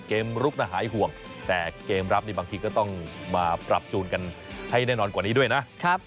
ลุกหายห่วงแต่เกมรับนี่บางทีก็ต้องมาปรับจูนกันให้แน่นอนกว่านี้ด้วยนะ